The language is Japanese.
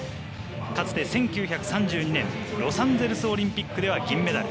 かつて１９３２年ロサンゼルスオリンピックでは銀メダル。